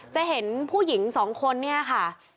จะเห็นผู้หญิงสองคนเนี่ยค่ะ